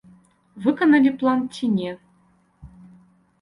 Выканалі план ці не.